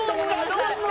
どうした！？